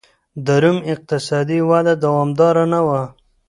د روم اقتصادي وده دوامداره نه وه